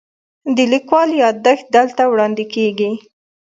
د لیکوال یادښت دلته وړاندې کیږي.